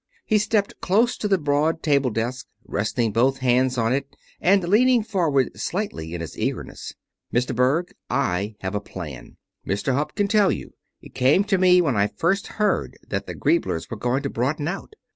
He stepped close to the broad table desk, resting both hands on it and leaning forward slightly in his eagerness. "Mr. Berg I have a plan. Mr. Hupp can tell you. It came to me when I first heard that the Grieblers were going to broaden out.